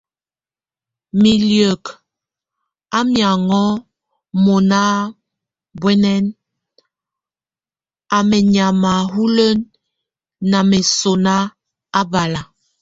Mí liek, a miaŋo mona bwanɛn, a menyama húlene na mesona, a bala.